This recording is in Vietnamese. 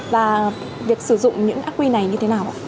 và việc sử dụng những ác quy này như thế nào